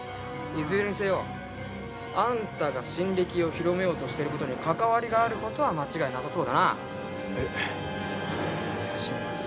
いずれにせよあんたが新暦を広めようとしてる事に関わりがある事は間違いなさそうだな。